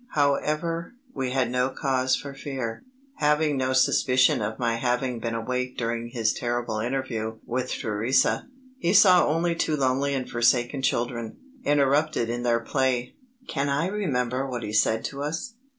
However, we had no cause for fear. Having no suspicion of my having been awake during his terrible interview with Theresa, he saw only two lonely and forsaken children, interrupted in their play. Can I remember what he said to us?